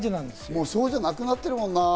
もうそうじゃなくなってるもんな。